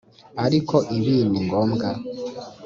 Ariko ibi ni ngombwa